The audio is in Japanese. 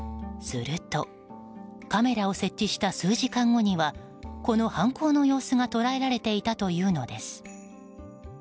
すると、カメラを設置した数時間後にはこの犯行の様子が捉えられていたというのです。